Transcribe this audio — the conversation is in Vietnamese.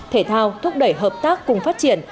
thể thao thúc đẩy hợp tác cùng phát triển